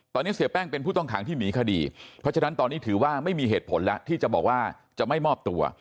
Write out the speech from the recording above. ตอนนี้เสียแป้งเป็นผู้ต้องขังที่หนีคดีเพราะฉะนั้นตอนนี้ถือว่าไม่มีเหตุผลแล้วที่จะบอกว่าจะไม่มอบตัว